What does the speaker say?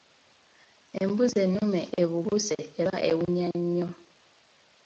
Embuzi ennume evubuse eba ewunya nnyo.